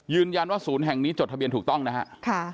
ยืนยันว่าศูนย์แห่งนี้จดทะเบียนถูกต้องนะครับ